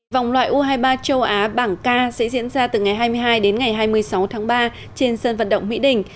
vòng loại u hai mươi ba châu á bảng k sẽ diễn ra từ ngày hai mươi hai đến ngày hai mươi sáu tháng ba trên sân vận động mỹ đình